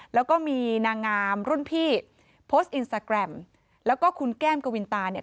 แล้วก็มีนางงามรุ่นพี่โพสต์อินสตาแกรมแล้วก็คุณแก้มกวินตาเนี่ย